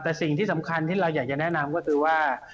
แต่สิ่งที่สำคัญที่เราอยากจะแนะนำก็คือว่า